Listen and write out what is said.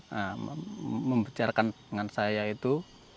nah membicarakan dengan saya itu